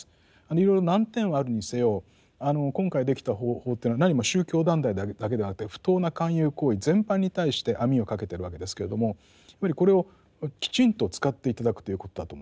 いろいろ難点はあるにせよあの今回できた法というのはなにも宗教団体だけではなくて不当な勧誘行為全般に対して網をかけているわけですけれどもやっぱりこれをきちんと使って頂くということだと思うんですね。